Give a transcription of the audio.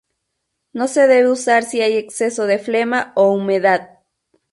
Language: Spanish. No se debe usar si hay exceso de flema o humedad.